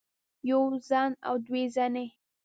يوه زن او دوه زنې